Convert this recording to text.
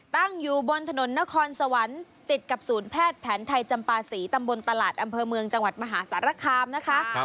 ตั้งอยู่บนถนนนครสวรรค์ติดกับศูนย์แพทย์แผนไทยจำปาศรีตำบลตลาดอำเภอเมืองจังหวัดมหาสารคามนะคะ